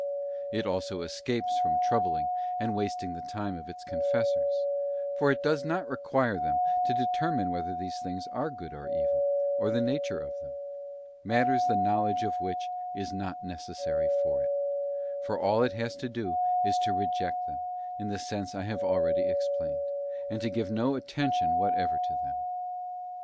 It also escapes from troubling and wasting the time of its confessors, for it does not require them to determine whether these things are good or evil, or the nature of them,— matters the knowledge of which is not necessary for it, for all it has to do is to reject them in the sense I have already explained, and to give no attention whatever to them.